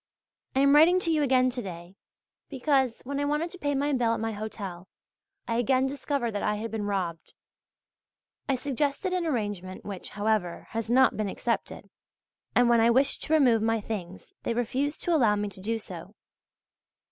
I am writing to you again to day, because, when I wanted to pay my bill at my hotel, I again discovered that I had been robbed. I suggested an arrangement which, however, has not been accepted, and when I wished to remove my things they refused to allow me to do so.